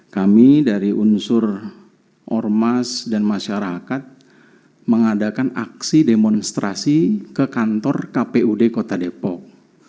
kami dari unsur ormas dan masyarakat mengadakan aksi demonstrasi ke kantor kpud kota depok